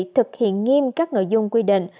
thực hiện nghiêm các nội dung quy định